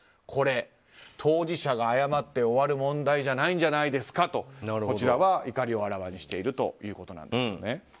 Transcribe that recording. これ、当事者が謝って終わる問題じゃないんじゃないですかとこちらは怒りをあらわにしているということなんです。